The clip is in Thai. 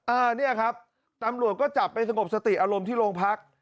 เนี่ยครับตำรวจก็จับไปสงบสติอารมณ์ที่โรงพัก